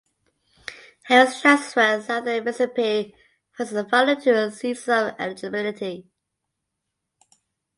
Harris transferred Southern Mississippi for his final two seasons of eligibility.